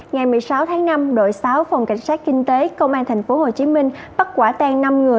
ngày một mươi sáu tháng năm đội sáu phòng cảnh sát kinh tế công an tp hcm bắt quả tan năm người